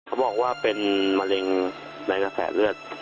เขาบอกว่าเป็นมะเร็งในกระแสเลือด